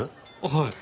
はい。